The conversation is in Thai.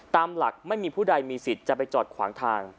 ตามหลักไม่มีผู้ใดมีสิทธิ์จะไปจอดขวางทาง